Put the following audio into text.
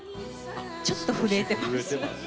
ちょっと震えています。